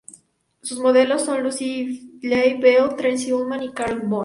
Sus modelos son Lucille Ball, Tracey Ullman y Carol Burnett.